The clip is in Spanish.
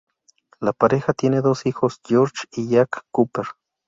La pareja tiene dos hijos George y Jack Cooper.